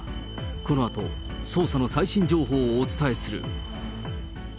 このあと捜査の最新情報をお伝えする。